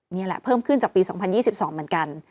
นี่แหละเพิ่มขึ้นจากปี๒๐๒๒เหมือนกัน